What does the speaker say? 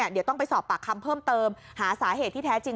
เดี๋ยวต้องไปสอบปากคำเพิ่มเติมหาสาเหตุที่แท้จริง